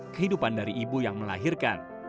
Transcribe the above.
kehidupan dari ibu yang melahirkan